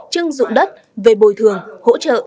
chưng dụng đất về bồi thường hỗ trợ